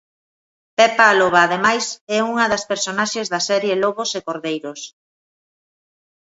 Pepa a Loba, ademais, é unha das personaxes da serie Lobos e cordeiros.